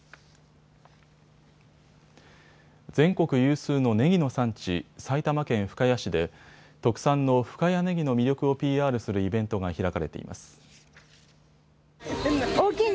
全国有数のねぎの産地、埼玉県深谷市で特産の深谷ねぎの魅力をＰＲするイベントが開かれています。